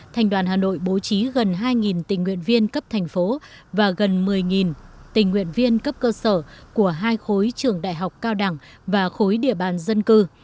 thành đoàn hà nội bố trí gần hai tình nguyện viên cấp thành phố và gần một mươi tình nguyện viên cấp cơ sở của hai khối trường đại học cao đẳng và khối địa bàn dân cư